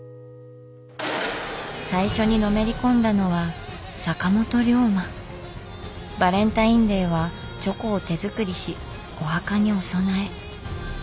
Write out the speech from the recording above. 最初にのめり込んだのはバレンタインデーはチョコを手作りしお墓にお供え。